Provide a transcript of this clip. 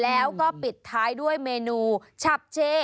แล้วก็ปิดท้ายด้วยเมนูฉับเช